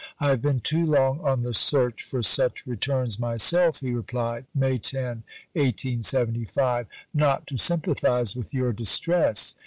"I have been too long on the search for such returns myself," he replied (May 10, 1875), "not to sympathise with your distress."